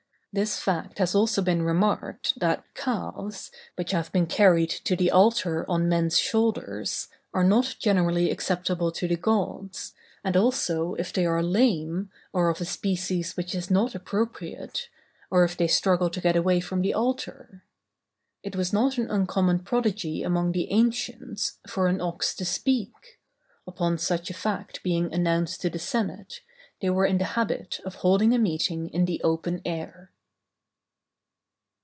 This fact has also been remarked, that calves, which have been carried to the altar on men's shoulders, are not generally acceptable to the gods, and also, if they are lame, or of a species which is not appropriate, or if they struggle to get away from the altar. It was a not uncommon prodigy among the ancients, for an ox to speak; upon such a fact being announced to the senate, they were in the habit of holding a meeting in the open air.